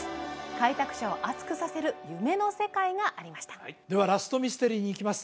開拓者を熱くさせる夢の世界がありましたではラストミステリーにいきます